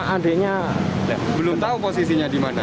adiknya belum tahu posisinya di mana